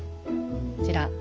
こちら。